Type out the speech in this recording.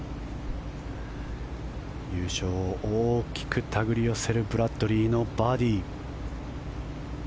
優勝を大きく手繰り寄せるブラッドリーのバーディー。